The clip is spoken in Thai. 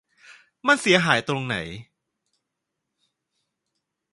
มันเสียหายตรงไหน ?